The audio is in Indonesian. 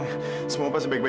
kita mau pergi ke kamar